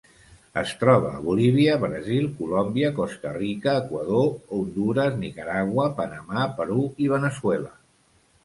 Es troba a Bolívia, Brasil, Colòmbia, Costa Rica, Equador, Hondures, Nicaragua, Panamà, Perú, i Veneçuela.